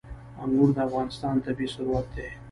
انګور د افغانستان طبعي ثروت دی.